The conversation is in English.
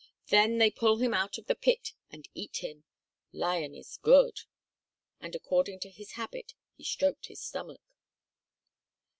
Then they pull him out of the pit and eat him. Lion is good." And according to his habit, he stroked his stomach.